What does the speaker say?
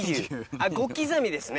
あっ５刻みですね。